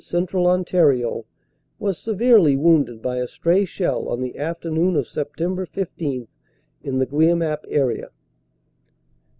Central Ontario, was severely wounded by a stray shell on the afternoon of Sept. IS in the Guemappe area.